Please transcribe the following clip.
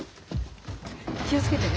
気を付けてね。